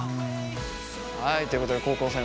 はいということで高校生の皆さん